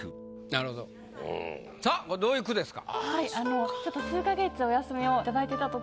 なるほどさぁこれどういう句ですか？